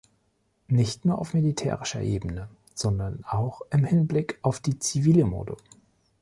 Nicht nur auf militärischer Ebene, sondern auch im Hinblick auf die zivile Mode.